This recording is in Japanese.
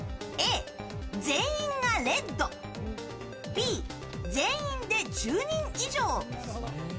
Ａ、全員がレッドＢ、全員で１０人以上。